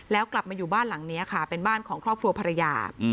แล้วกลับมาอยู่บ้านหลังนี้ค่ะเป็นบ้านของครอบครัวภรรยา